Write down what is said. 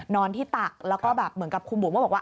นอนที่ตักแล้วก็เหมือนกับคุณบุ๋มว่า